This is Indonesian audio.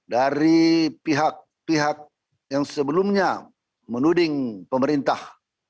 dari pihak pihak yang sebelumnya menuding pemerintah